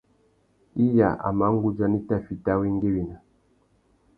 Iya a mà nʼgudzana i tà fiti awéngüéwina.